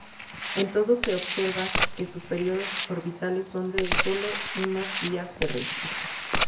En todos se observa que sus períodos orbitales son de solo unos días terrestres.